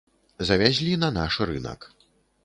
Завязлі на наш рынак.